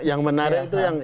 yang menarik itu yang